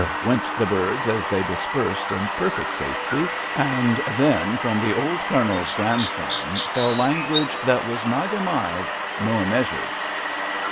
went the birds as they dispersed in perfect safety, and then from th' old CourneFs grandson fell language that was neither mild nor measured.